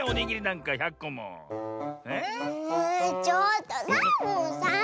ちょっとサボさん！